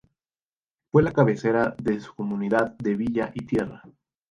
Fue la cabecera de su comunidad de villa y tierra.